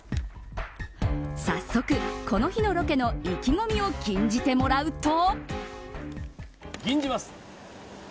早速、この日のロケの意気込みを吟じてもらうと。